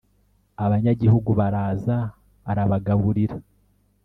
Abanyagihugu baraza arabagaburira